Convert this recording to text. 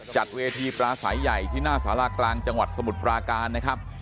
จัดเวทีปลาสายใหญ่ที่หน้าสารากลางจังหวัดสมุทรปราการนะครับ